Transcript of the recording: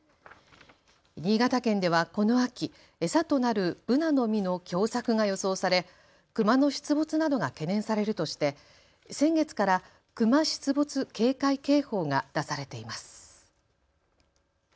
新潟県ではこの秋、餌となるブナの実の凶作が予想されクマの出没などが懸念されるとして先月からクマ出没警戒警報が出されています。